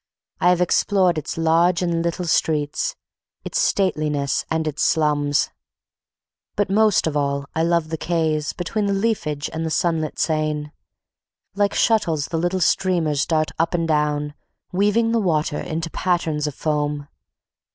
I have explored its large and little streets, its stateliness and its slums. But most of all I love the Quays, between the leafage and the sunlit Seine. Like shuttles the little steamers dart up and down, weaving the water into patterns of foam.